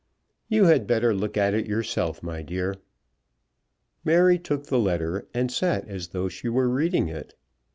"You had better look at it yourself, my dear." Mary took the letter, and sat as though she were reading it.